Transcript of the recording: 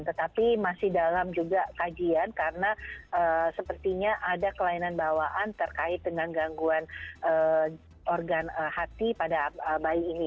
tetapi masih dalam juga kajian karena sepertinya ada kelainan bawaan terkait dengan gangguan organ hati pada bayi ini